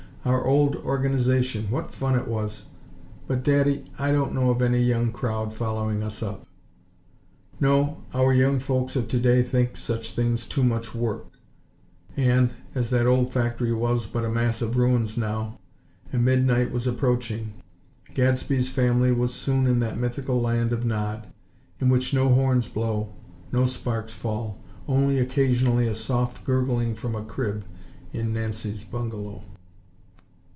Our old Organization! What fun it was! But, Daddy, I don't know of any young crowd following us up." "No. Our young folks of today think such things too much work;" and, as that old factory was but a mass of ruins now, and midnight was approaching, Gadsby's family was soon in that mythical Land of Nod, in which no horns blow, no sparks fall; only occasionally a soft gurgling from a crib in Nancy's bungalow.